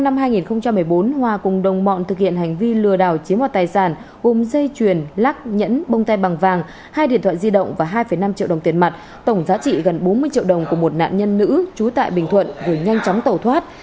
nguyễn thế hòa cùng đồng mọn thực hiện hành vi lừa đảo chiếm hoạt tài sản gồm dây chuyền lắc nhẫn bông tay bằng vàng hai điện thoại di động và hai năm triệu đồng tiền mặt tổng giá trị gần bốn mươi triệu đồng của một nạn nhân nữ trú tại bình thuận vừa nhanh chóng tẩu thoát